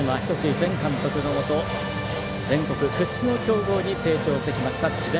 前監督のもと全国屈指の強豪に成長してきました智弁